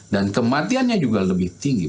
dan kematiannya juga lebih tinggi